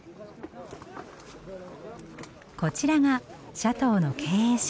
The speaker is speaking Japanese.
こちらがシャトーの経営者。